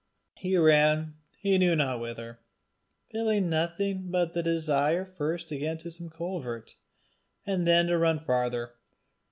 He ran he knew not whither, feeling nothing but the desire first to get into some covert, and then to run farther.